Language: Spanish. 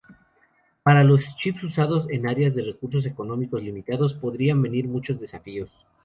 Para los chips usados en áreas de recursos económicos limitados, podrían venir muchos desafíos.